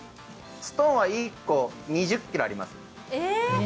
ストーンは１個２０ｋｇあります。